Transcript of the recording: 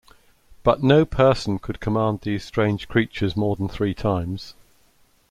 But no person could command these strange creatures more than three times.